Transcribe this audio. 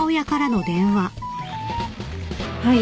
はい。